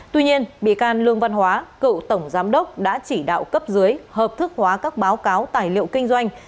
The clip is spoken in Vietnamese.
tuy nhiên bị can lương văn hóa cựu tổng giám đốc đã chỉ đạo cấp dưới hợp thức hóa các báo cáo tài liệu kinh doanh